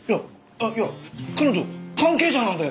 あっいや彼女関係者なんだよ。